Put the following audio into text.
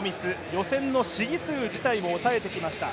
予選の試技数自体も抑えてきました。